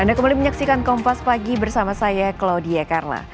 anda kembali menyaksikan kompas pagi bersama saya claudia karla